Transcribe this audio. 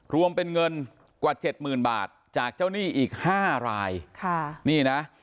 รวมเป็นเงินกว่าเจ็ดหมื่นบาทจากเจ้าหนี้อีกห้ารายค่ะนี่นะ